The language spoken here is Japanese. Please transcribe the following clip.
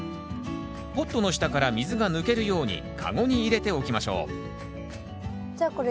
ポットの下から水が抜けるように籠に入れておきましょうじゃあ